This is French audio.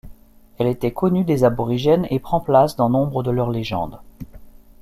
Elle était connue des Aborigènes, et prend place dans nombre de leurs légendes.